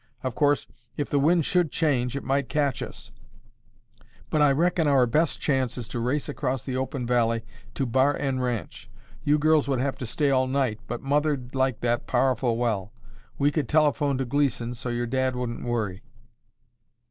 Of course, if the wind should change, it might catch us, but I reckon our best chance is to race across the open valley to Bar N ranch. You girls would have to stay all night, but Mother'd like that powerful well. We could telephone to Gleeson so your dad wouldn't worry."